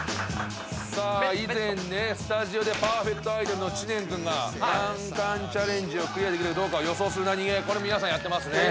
さあ以前ねスタジオでパーフェクトアイドルの知念君が難関チャレンジをクリアできるかどうかを予想するナニゲー皆さんやってますね。